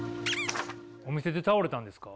お店で倒れたんですか？